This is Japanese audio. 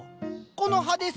「この葉」です。